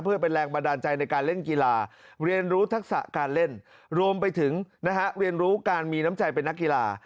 เพื่อเป็นแรงบันดาลใจในการเล่นกีฬาเรียนรู้ทักษะการเล่นรวมไปถึงนะฮะเรียนรู้การมีน้ำใจเป็นนักกีฬา